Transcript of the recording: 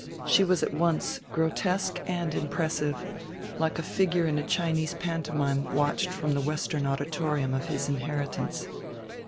She was at once grotesque and impressive, like a figure in a Chinese pantomime watched from the western auditorium of his inheritance.